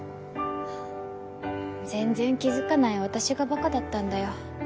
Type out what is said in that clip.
全然気づかない私が馬鹿だったんだよ。